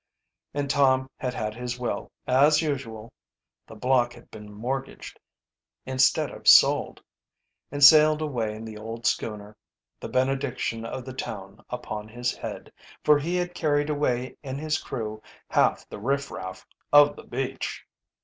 And Tom had had his will as usual (the block had been mortgaged instead of sold), and sailed away in the old schooner, the benediction of the town upon his head, for he had carried away in his crew half the riff raff of the beach.